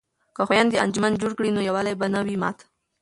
که خویندې انجمن جوړ کړي نو یووالی به نه وي مات.